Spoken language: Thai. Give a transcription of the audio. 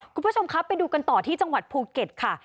คุณผู้ชมครับไปดูกันต่อที่จังหวัดภูเก็ตค่ะ